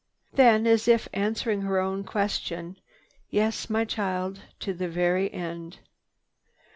Then, as if answering her own question, "Yes, my child, to the very end.